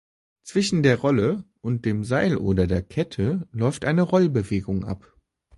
Zwischen der Rolle und dem Seil oder der Kette läuft eine Rollbewegung ab.